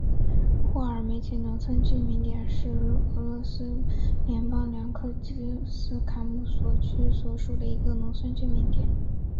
霍尔梅奇农村居民点是俄罗斯联邦布良斯克州苏泽姆卡区所属的一个农村居民点。